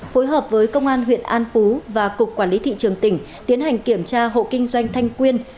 phối hợp với công an huyện an phú và cục quản lý thị trường tỉnh tiến hành kiểm tra hộ kinh doanh thanh quyên